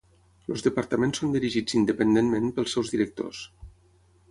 Els departaments són dirigits independentment pels seus directors.